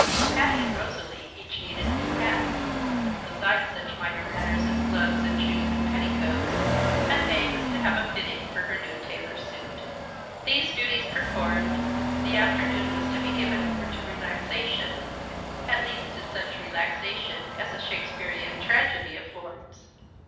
Patty and Rosalie each needed new hats besides such minor matters as gloves and shoes and petticoats and Mae was to have a fitting for her new tailor suit. These duties performed, the afternoon was to be given over to relaxation; at least to such relaxation as a Shakespearean tragedy affords.